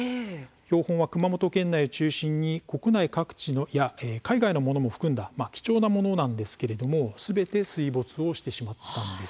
標本は熊本県内を中心に国内各地や海外のものも含んだ貴重なものなんですけれどもすべて水没してしまったんです。